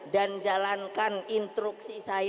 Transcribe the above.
dan jalankan instruksi saya